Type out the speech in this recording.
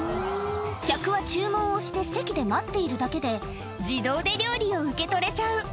客は注文をして席で待っているだけで、自動で料理を受け取れちゃう。